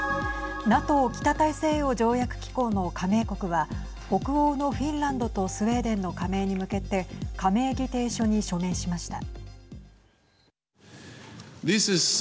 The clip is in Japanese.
ＮＡＴＯ＝北大西洋条約機構の加盟国は北欧のフィンランドとスウェーデンの加盟に向けて加盟議定書に署名しました。